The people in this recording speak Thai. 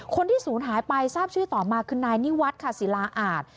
คนที่ศูนย์หายไปทราบชื่อต่อมาคือนายนิวัฒน์ค่ะศิลาอาจ